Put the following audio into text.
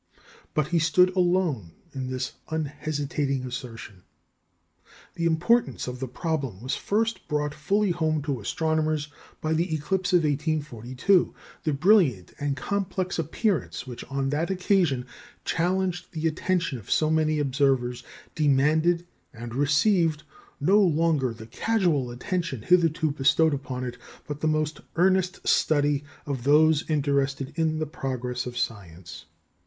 " But he stood alone in this unhesitating assertion. The importance of the problem was first brought fully home to astronomers by the eclipse of 1842. The brilliant and complex appearance which on that occasion challenged the attention of so many observers, demanded and received, no longer the casual attention hitherto bestowed upon it, but the most earnest study of those interested in the progress of science.